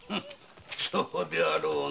そうであろうな。